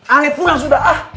ale pulang sudah ah